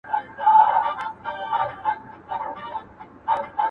• هر فرمان به دي راغلی له اسمان وي -